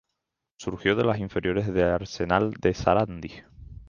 Surgió de las inferiores de Arsenal de Sarandí.